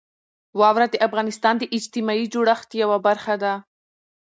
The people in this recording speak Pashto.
واوره د افغانستان د اجتماعي جوړښت یوه برخه ده.